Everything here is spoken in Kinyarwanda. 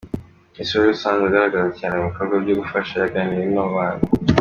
Miss Aurore usanzwe ugaragara cyane mu bikorwa byo gufasha yaganiriye n' abana.